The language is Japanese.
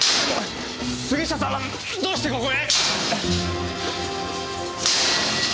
杉下さんはどうしてここへ？